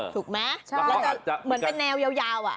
ถูกไหมเหมือนเป็นแนวยาวอ่ะ